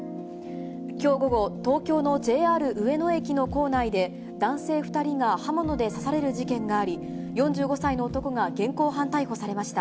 きょう午後、東京のＪＲ上野駅の構内で、男性２人が刃物で刺される事件があり、４５歳の男が現行犯逮捕されました。